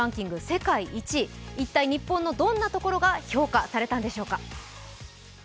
世界１位、一体日本のどんなところが評価されたのでしょうか。